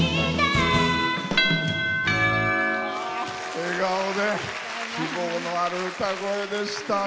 笑顔で希望のある歌声でしたね。